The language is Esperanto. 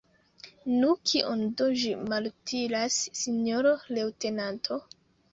Nu, kion do ĝi malutilas, sinjoro leŭtenanto?